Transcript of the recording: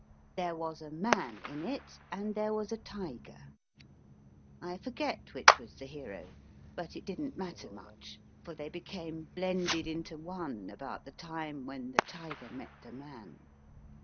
There was a man in it, and there was a tiger. I forget which was the hero, but it didn t matter much, for they became blended into one about the time when the tiger met the man.